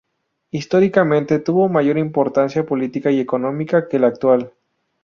Históricamente tuvo mayor importancia política y económica que la actual.